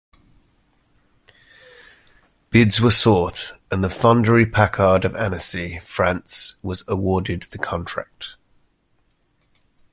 Bids were sought, and the Fonderie Paccard of Annecy, France, was awarded the contract.